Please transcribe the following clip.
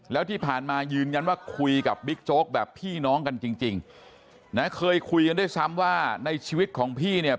แล้วที่ผ่านมายืนยันว่าคุยกับบิ๊กโจ๊กแบบพี่น้องกันจริงนะเคยคุยกันด้วยซ้ำว่าในชีวิตของพี่เนี่ย